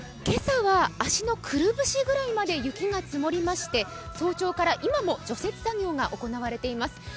今朝は足のくるぶしぐらいまで雪が積もりまして、早朝から今も除雪作業が行われています。